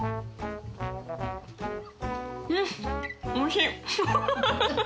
うんおいしい！